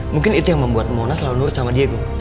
mungkin itu yang membuat mona selalu nurut sama diego